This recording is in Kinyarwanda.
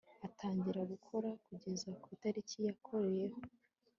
atangira gukora kugeza ku itariki yakoreyeho